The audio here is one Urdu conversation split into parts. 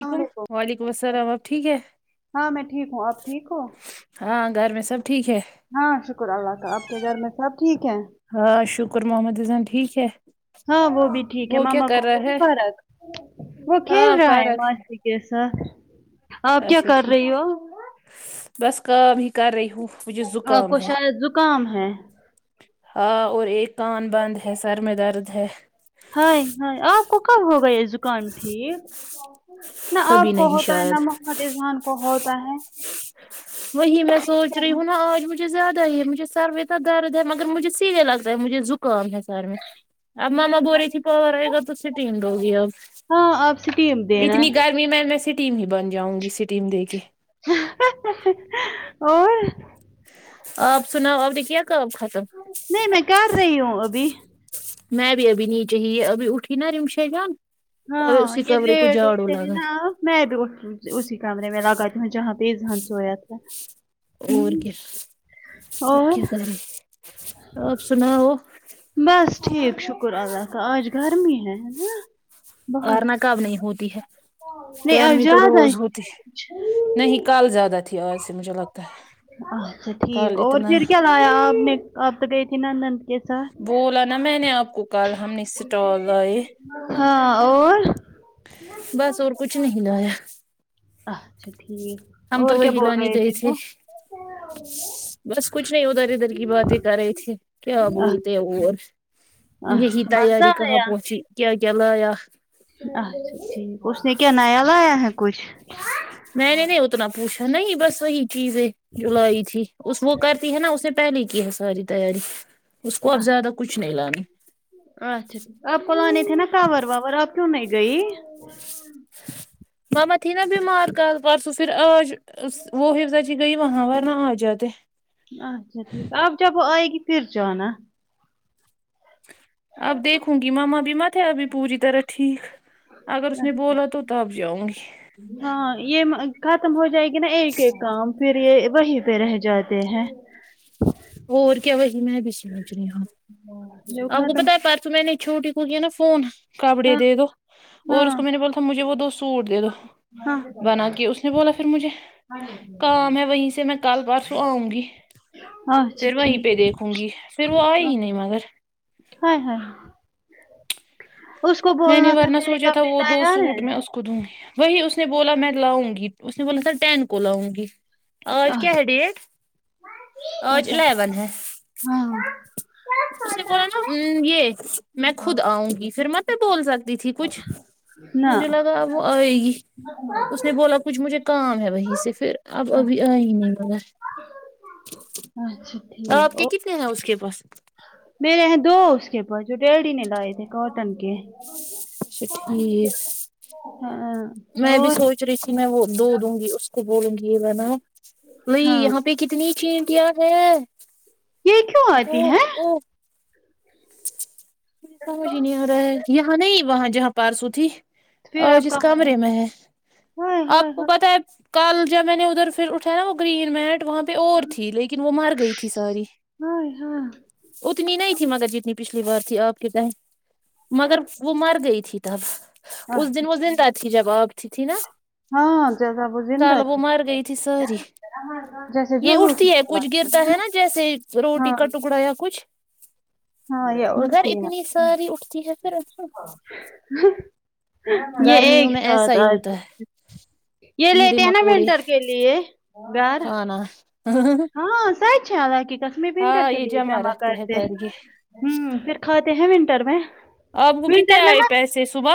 السلام وعلیکم علیکم وعلیکم السلام آپ ٹھیک ہے ہاں میں ٹھیک ہوں آپ ٹھیک ہوں ہاں گھر میں سب ٹھیک ہے ہاں شکر اللہ کا آپ کے گھر میں سب ٹھیک ہیں ہاں شکر محمد ایضان ٹھیک ہے ہاں وہ بھی ٹھیک ہے وہ کیا ماما کو کر وہ رہا بھی ہے فرق وہ ہاں کھیل رہا ہے فرق ماسی کے ساتھ آپ کیا اچھا کر ٹھیک رہی ہو بس کام ہی کر رہی ہوں مجھے آپ زکام کو ہے شاید زکام ہے ہاں اور ایک کان بند ہے سر میں درد ہے ہاے ہاے آپ کو کب ہوگیا یہ زکان ٹھیک نہ کبھی آپ کو نہیں ہوتا ہے نہ شاید محمد اذھان کو ہوتا ہے وہی میں سوچ رہی ہوں نا آج مجھ مجھے زیادہ ہی ہے مجھے سر میں اتنا درد ہے مگر مجھے سیدھے لگرہا ہے مجھے زکام ہے سر میں اب مما بول رہی تھی پور آئیگا تو اسٹیم دوگی اب ہاں آپ سٹیم دینا اتنی گرمی میں میں اسٹیم ہی بن جاؤں گی سٹیم دے کے اور آپ سناؤ آپ نے کیا کام ختم نہیں میں کر رہی ہوں ابھی میں بھی ابھی نیچے ہی ابھی اٹھی نا رمشیجان ہاں یہ لیے [unintelligible] ہیں نا میں بھی اسی کمرے میں لگاتی ہوں جہاں پہ یہ سویا تھا اور کیا آپ اور کیا کر رہے آپ سناؤ بس ٹھیک شکر اللہ کا آج گرمی ہے ن ورنا کب نہیں ہوتی ہے نہیں آج گرمی تو زیادہ ہی روز ہوتی ہے کچھ نہیں کل زیادہ تھی آج سے مجھے لگتا ہے اچھا کل ٹھیک اور اتنا پھر کیا لایا آپ نے آپ تو گئی تھی نا نند کے ساتھ بولا نا میں نے آپ کو کل ہم نے اسٹال لائے ہاں اور بس اور کچھ نہیں لایا اچھا ٹھیک ہم اور تو کیا وہی بول لانے رہے گئے تھے وہ بس کچھ نہیں ادھر ادھر کی باتیں کر رہی تھی کیا بولتے ہیں وہ یہی اچھا مزہ تیاری کہاں آیا پہنچی کیا کیا لایا اچھا ٹھیک اس نے کیا نایا لایا ہے کچھ میں نے نی اتنا پوچھا نہیں بس وہی چیز ہے جولائی تھی اس وہ کرتی ہے نا اس سے پہلے کی ہے ساری تیاری اس کو اب زیادہ کچھ نہیں لانے اچا ٹھیک آپ کو لانے تھے نا کور وور آپ کیوں نہیں گئی مما تھی نا بیمار کل پرسو پھر آج وہ حفظہ جی گئی وہاں ورنہ آ جاتے اچھا ٹھیک آپ جب آئے گی پھر جانا اب دیکھوں گی مما بھی مت ا تھے ابھی پوری طرح ٹھیک اگر اس نے بولا تو تب جاؤں گی ہاں یہ ختم ہو جائے گے نا ایک ایک کام پھر یہ وہیں پہ رہ جاتے ہیں اور کیا وہی میں بھی سمچ رہی ہو جو آ پکو ختم پتا ہے پرسو میں نے چھوٹی کو یہ نا فون کپڑے ہاں دے دو اور اس کو میں نے بولا تھا مجھے وہ دو سوٹ دے دو ہاں بنا کے اس نے بولا پھر مجھے کام ہے وہیں سے میں کل پرسوں آؤں گی اچھا پھر وہیں ٹھیک پہ دیکھوں گی پھر وہ ہ آئی ہی نہیں مگر ہ ہ اس کو میں نے بولنا تھا ورنہ تیرے سوچا تھا کپڑے وہ دو تیار ہے سوٹ میں اس کو دوں گی وہی اس نے بولا میں لاؤں گی اس نے بولا تھا ٹین کو لاؤں گی آج کیا ہے ڈیٹ آج پتا الیون ہے ہاں اس نے بولا نا یہ میں خود آؤں گی پھر مت بول سکتی تھی کچھ نہ مجھے لگا وہ آئے گی اس نے بولا کچھ مجھے کام ہے وہیں سے پھر اب ابھی آئے ہی نہیں پتا اچھا ٹھیک آپ کے کتنے ہیں اس کے پاس میرے یہ دو اس کے پاس جو ڈیڈی نے لائے تھے کاٹن کے اچھا ٹھیک ہاں میں بھی اور سوچ رہی تھی میں وہ دو دوں گی اس کو بولوں گی یہ میں نا وہی ہاں یہاں پہ کتنی چینٹیاں ہے یہ کیوں او آتی ہے او سمج ہی نہیں آ رہا ہے یہاں نہیں وہاں جہاں پارسو تھی پھر اور آپ جس کہاں کمرے میں ہے ہائے ہائے آپ کو ہائے پتہ ہے کل جب میں نے ادھر پھر اٹھایاوہ گرین مینٹ وہاں پہ اور تھی لیکن وہ مر گئی تھی ساری ہائے ہائے اتنی نہیں تھی مگر جیتن یہ پچھلی بار تھی آپ کے داںی مگر وہ مر گئی تھی تب آہ، اس دن اس دن رات کی جب آپ تھی نا ہاں جیسا وہ زندہ سالبو تھی مار گئی تھی ساری جیسے یہ جلوس اٹھتی ہے نکلا کچھ تھا۔ گرتا ہے نا جیسے روٹی ہاں کا ٹکڑا یا کچھ ہاں یہ مگر اٹھتی اتنی ہے ساری اٹھتی ہے پھر یہ گرمیوں ایک میں ایسا ساتھ ہی آ ہوتا ہے یہ کیڑے لیتے ہیں نا مکوڑے منٹر کے لیے لیے کھانا ہاں سچ ہے حالانکے کشمی ونٹر ہاں کے یہ لیے جمع رکھتے ہیں کرتے کر کے امم پھر کھاتے ہیں ونٹر میں آپ کو کتنے ونٹر میں آئے مت پیسے صبح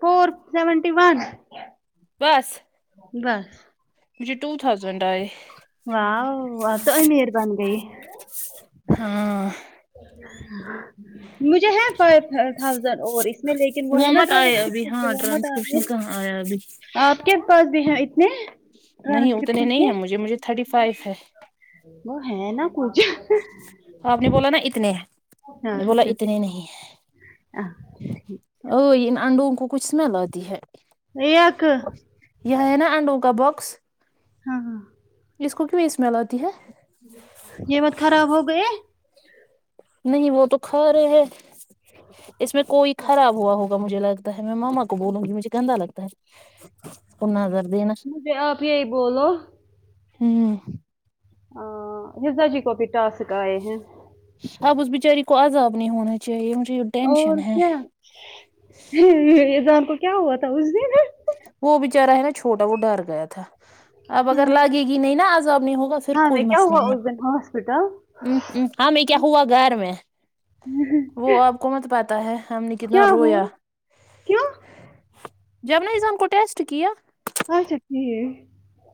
فور سیونٹی ون بس بس مجھے ٹو تھاؤزنڈ آئے واووہ تو مہربان گئی ہاں مجھے ہے فائیو تھازینڈ اور اس میں لیکن وہ ہے نا مت آئے ابھی ڈراںیور ہاں محمد ٹرانسکرپشن آصف کہاں آ ابھی آپ کے پاس بھی ہیں اتنے نہیں اتنے ٹرانسکرپشن نہیں کے ہے مجھے مجھے تھرٹی فائیف ہے وہ ہے نا کچھ آپ نے بولا نا اتنے ہیں میں ہاں نے بولا پھر بھی- اتنے نہیں ہاں، ہیں ٹھیک آ ان انڈوں کو کچھ نہ لاتی ہے ایک یہ ہے نا انڈو کا باکس ہاں ہاں اس کو کی اسمیل آتی ہے یہ مت خراب ہو گئےہے نہیں وہ تو کھا رہے ہے اس میں کوئی خراب ہوا ہو مجھے لگتا ہے میں ماما کو بولوں گی مجھے گندالگتا ہے کوناظر دینا مجھے آپ یہی بولو امم آہ جزا جی کو بھی ٹاسک آئے ہیں اب اس بچاری کو عذاب نہیں ہونے چاہیے مجھے اور ٹینشن ہے کیا یہیذدان کو کیا ہوا تھا اس دن وہ بچارا ہے نا چھوٹا وہ ڈر گیا تھا اب اگر ہاں لگے گی نہیں نا آزاب نہیں ہوگا ہو پھر ہاں میں کوئی کیا مسئلہ ہوا اس نہیں دن ہاسپٹل امم ہمیں کیا ہوا گھر میں وہ آپ کو مت پاتا ہے ہم نے کتنا کیا ہوا رویا کیوں جب میں نظام کو ٹیسٹ کیا اچھا ٹھیک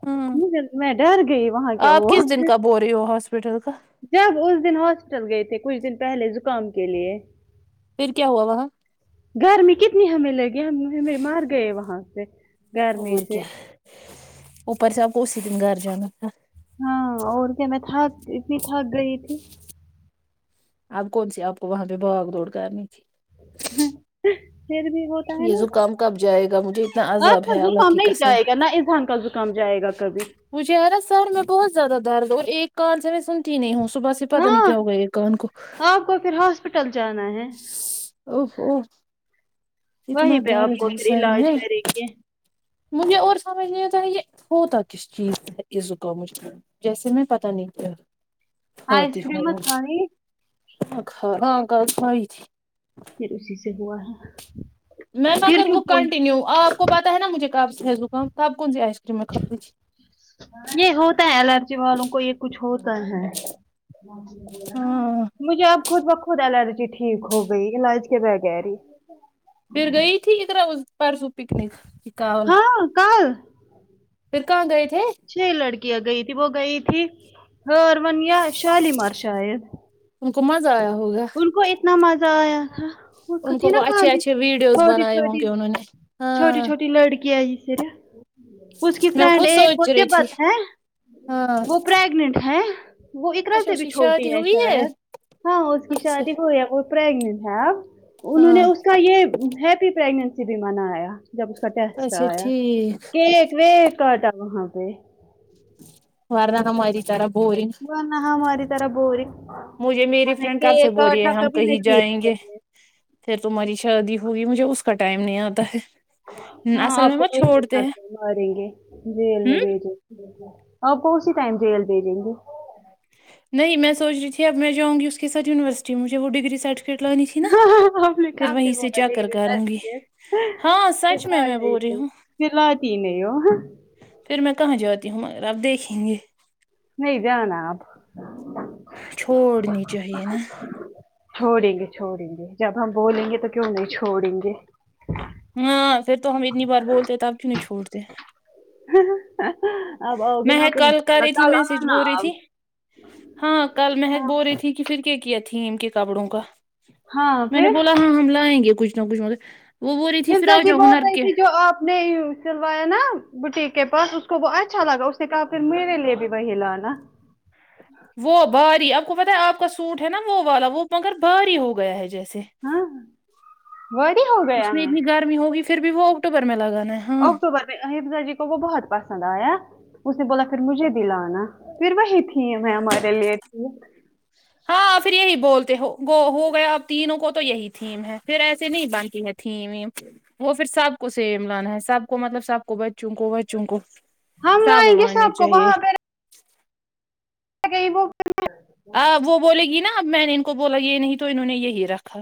ہوں میں ڈر گئی وہاں کیا آپ ہوا کس دن کا بول رہے ہو ہاسپٹل کا جب اس دن ہاسپٹل گئے تھے کچھ دن پہلے زخم کے لیے پھر کیا ہوا وہاں گرمی کتنی ہمیں لگیا ہم ہمیں مار گئے وہاں سے گرمی اور سے کیا اوپر سےاپ کو اسی دن گھر جانا تھا ہاں اور کیا میں تھک اتنی تھک گئی تھی اب کونسی آپ کو وہاں پہ بھاگ دوڑ کرنی تھی پھر بھی وہ یہ زکام کب جائے گا مجھے اتنا آپ عذاب کا ہے اللہ زخم کی نہیں قسم جائے گا نہ اذھام کا زخم جائے گا کبھی مجھے ارا سر میں بہت زیادہ درد اور ایک کان سے میں سنتی ہی نہیں ہوں صبح سے پتا نہیں کیا ہوگیا یہ کان کو کل پھر ہاسپٹل جانا ہے اوہ اوہ اتنا وہی پہ آپ درد کو ہے پھر سر علاج میں کرینگے مجھے اور سمجھ نہیں اتا یہ ہوتا کس چیز اس سے کا مجھ جیسے میں پتاہ نہیں کیا کھاتی آئس کریم ہوں مت کھانی نہ کھنا کل کھی پھر اسی سے ہوا ہے میں پھر مگر وہ کیوں بول کنٹینیو آپ کو پتا ہے نا مجھے کب سے ہے زخم کب کون سے ای یہ ہوتا ہے الرجی والوں کو یہ کچھ ہوتا ہے ہاں مجھے اپ خود بخود الرجی ٹھیک ہو گئی علاج کے بغیر ہی پھر گئی تھی ادھر آ پرسو پکنک [unintelligible] ہاں کل پھر کہاں گئے تھے چھ لڑکیاں گئی تھی وہ گئی تھی ہرونیا شالیمار شاید ان کو مزہ آیا ہوگا ان کو اتنا مزہ آیا تھا اور ان کو تھی نا وہ اچھے کھالی اچھے ویڈیوز چھوٹی بنائے ہوں چھوٹی گے انہوں نے چھوٹی ہاں چھوٹی لڑکیں جی سر اس کی میں فرینڈ خود ایک وہ سوچ رہی تھی تبت ہے ہاں وہ پراگنینٹ ہے وہ اقرا اچھا سے اس بھی کی چھوٹی شادی ہے ہوئی شاید ہاں اس کی اچھا شادی کو یا تو پراگنینٹ ہے اپ انہوں نے ہاں اس کا یہ ہیپی پراگنینسی بھی منایا جب اس کا ٹیسٹ اچھا آیا ٹھیک کیک ویک کاٹا وہاں پے ورنہ ہماری طرح بورنگ ورنہ ہماری طرح بورنگ مجھے میری ہمیں فرینڈ کب سے کیک بولی ہے کاٹنا ہم کبھی کہیں جائیں نصیب گے نہیں ہے پھر تمہاری شادی ہوی مجھے اس کا ٹائم نہیں آتا ہے ہاں اصل میں آپکو [unintelligible] مت چھوڑتے ہیں ہوں آپ کونسی [unintelligible] دے دیں گے نہیں میں سوچ رہی تھی اب میں جاونگی اس کے ساتھ یونیوارسیٹی مجھے وہ ڈگری سرٹیفکیٹ لانی تھی نا ہاں ہاں ہاں ہم پھر نکالتے وہیں سے ہے چکر ڈگری کروں گی سرٹیفکیٹ ہاں سچ میں میں بول رہی ہوں [unintelligible] دلاتی ہی نہیں ہو پھر میں کہاں جاتی ہوں مگر آپ دیکھینگے نہیں جانا آپ چھوڑنی چاہیے نا چھوڑیں گے چھوڑیں گے جب ہم بولیں گے تو کیوں نہیں چھوڑیں گے ہاں پھر تو ہم اتنی بار بولتے تب کیوں نہیں چھوڑتے اب آؤگی نا مہک تو کل کر رہی مسکا تھی میسج لگانا بول رہی اب تھی ہاں کل مہک بول رہی تھی کہ پھر کیا کیا تھیم ان کے کپڑوں کا ہاں میں نے پھر بولا ہاں ہم لائیں گے کچھ نہ کچھ مگ یہ سچی بول رہی تھی جو آپ نہیں سلوایا نا بٹیک کے پاس اس کو وہ اچھا لگا اس نے کہا پھر میرے لیے بھی وہی لانا وہ بھاری آپ کو پتا ہے آپ کا سوٹ ہے نا وہ والا وہ مگر بھاری ہو گیا ہے جیسے ہاں وہی ہو گیا اس میں ہے اتنی گرمی ہوگی پھر بھی وہ اکٹوبر میں لگانا ہے ہاں اکٹوبر حفضہ جی کو وہ بہت پسند آیا اس نے بولا پھر مجھے دلانا پھر وہی یہ میں ہمارے لیے تھیم ہاں پھر یہی بولتے ہو ہوگیا اب تینوں کو تو یہی تھیم ہے پھر ایسے نہیں بنتی ہے تھیم ویم وہ پھر سب کو سیم لانا ہے سب کو مطلب سب کو بچوں کو وچوں کو ہم لائیں [unintelligible] گے آنی سب کو چاہیے وہاں پہ [unintelligible] آ وہ بولے گی نا اب میں نے ان کو بولا یہ نہیں تو انہوں نے یہی رکھا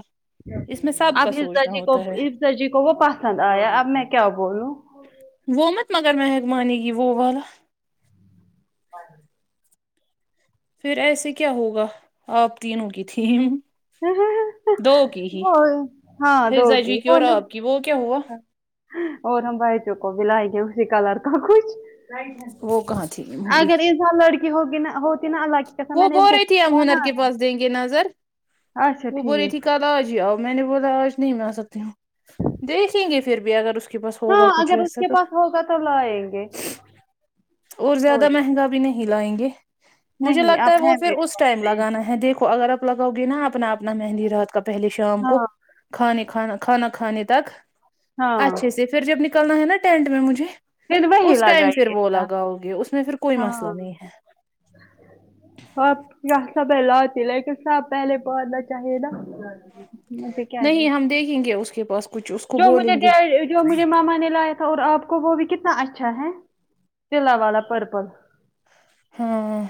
اس میں سب کا اب حفظہ سوچنا جی کو ہوتا ہے حفظہ جی کو وہ پسند آیا اب میں کیا بولوں وہ مت مگر مہک مانی گی وہ والا ہاں [unintelligible] پھر ایسے کیا ہوگا آپ تینوں کی تھیم دو کی ہی ہاں حفظہ دوگی جی کی اور نا آپ کی وہ کیا ہوا اور ہم بھائنجوں کو بھی لائیں گے اسی کلر کا کچھ وہ کہاں تھیم ہوئی اگر اس بار لڑکی ہوگی نہ ہو وہ بول رہی تھی ہم ہنر کے پاس دیں گے نظر اچھا وہ بول رہی ٹھیک تھی کب آؤ جی آؤ میں نے بولا آج نہیں آ سکتی ہوں دیکھیں گے پھر بھی اگر اس کے بس ہاں ہوگا کچھ اگر اس ویسا کے تو پاس ہوگا تو لائیں گے اور زیادہ ہوئے گا مہنگا بھی نہیں لائیں گے مجھے نہیں لگتا اب ہے وہ پھر میرے اس پاس ٹائم لگانا ہے دیکھو اگر اب لگاؤ گے نا اپنا اپنا مہندی رات کا پہلے شام کو ہاں کھانےکھانا کھانا کھانے تک ہاں اچھے سے پھ پھر جب نکلنا ہے نا ٹینٹ میں مجھے پھر وہی اس ٹائم پھر لگائیے وہ گا لگاؤ گے اس میں پھر کوئی مسئلہ نہیں ہے بت [unintelligible] سب لاتی لیکن سب پہلے پڑھنا چاہیے نا مجھے کیا ہے نہیں ہم دیکھیں گے اس کے پاس کچھ اس کو جو مجھے بولیں گے جو مجھے ماما نے لایا تھا اور آپ کو وہ بھی کتنا اچھا ہے چلا والا پرپل ہاں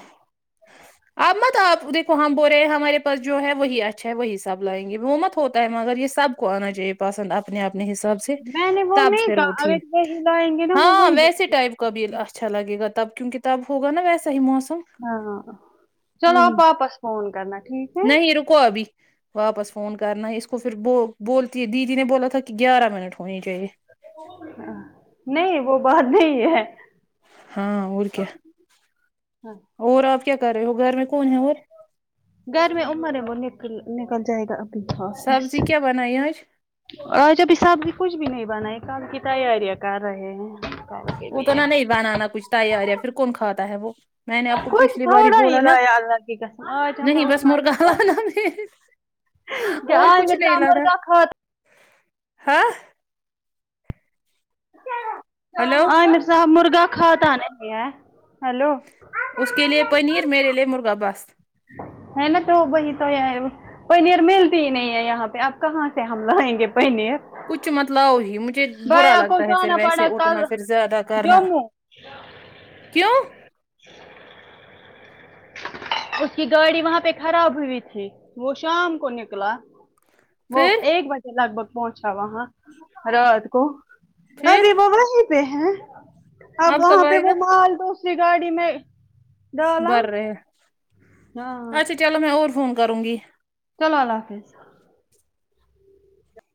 اب مت آپ دیکھو ہم بول رہے ہیں ہمارے پاس جو ہے وہی اچھا ہے وہی سب لائیں گے وہ مت ہوتا ہے مگر یہ سب کو آنا چاہیے پسند اپنے اپنے حساب سے میں نے وہ تب نہیں پھر وہ کہا تھی اگر وہی لائیں گے نا وہ ہاں وہی ویسے دیکھیے ٹائپ کبیل اچھا لگے گا تب کیونکہ تب ہوگا نا ویسا ہی موسم ہاں چلو وہی آپ واپس فون کرنا ٹھیک ہے کوئی بھی واپس فون کرنا اس کو پھر بو بولتی دیدی نے بولا تھا کہ گیارہ منٹ ہونی چاہیے نہیں وہ بات نہیں ہے ہاں اور کیا ہاں، اور آپ کیا کر رہے ہو گھر میں کون ہے وہ گھر میں عمر ہے وہ نکل نکل جائے گا ابھی آفس سبزی کیا بنائی آج اورجب حساب بھی کچھ بھی نہیں بنا ہے کل کی تیاریاں کر رہے ہیں کل کے اتنا لیے نہیں بنانا کچھ تیاریاں پھر کون کھاتا ہے وہ میں نے آپ کو کچھ پچھلی بار ہی تھوڑا بولا نا لایا اللہ کی قسم آج ہم نے نہیں بس اتنا مرغا نہیں بنا لایا دے کہ اور کچھ عامر نہیں صاحب لارا مرغا کھاتا ہاں ہلو عامر صاحب مرغا کھاتا نہیں ہے ہلو اس کے لیئے پنیر میرے لیے مرغہ بس ہے نا تو وہی تو ہے پنیر ملتی ہی نہیں ہے یہاں پہ آب کہاں سے ہم لائیںنگے پنیر کچھ مت لاؤ مجھے برا بھیا کو لگتا ہے پھر جانا ویسے پڑا اتنا کل پھر زیادہ کرنا جموں کیوں اس کی گاڑی وہاں پہ خراب ہوئی تھی وہ شام کو نکلا وہ پھر ایک بجے لگ بھگ پہنچا وہاں رات کو پھر ابھی وہ وہی پہ ہیں اب آپ وہاں کب پہ آئے گا وہ مال دوسری گاڑی میں ڈالا بررے ہاں چلو میں اور فون کروں گی چلو اللہ حافظ